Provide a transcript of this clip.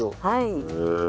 はい。